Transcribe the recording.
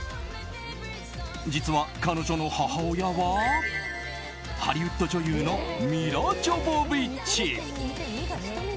実は彼女の母親はハリウッド女優のミラ・ジョヴォヴィッチ。